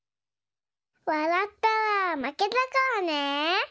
わらったらまけだからね。